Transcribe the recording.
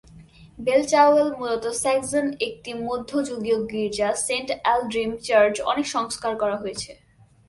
বেলচালওয়েল মূলত স্যাক্সন, একটি মধ্যযুগীয় গির্জা, সেন্ট আল্ড্রিম চার্চ, অনেক সংস্কার করা হয়েছে।